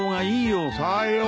さよう。